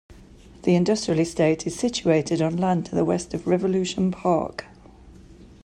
The industrial estate is situated on land to the west of Revolution Park.